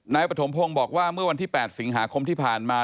ปฐมพงศ์บอกว่าเมื่อวันที่๘สิงหาคมที่ผ่านมา